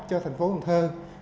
cho thành phố hùng thơ